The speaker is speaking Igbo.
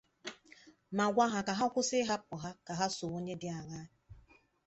ma gwa ha ka kwụsị ịhapụ ha ka ha so onye dị añaa.